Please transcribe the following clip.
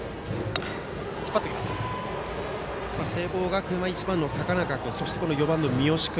聖光学院は１番の高中君そして４番の三好君